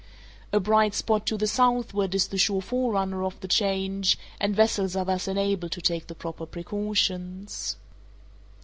A bright spot to the southward is the sure forerunner of the change, and vessels are thus enabled to take the proper precautions.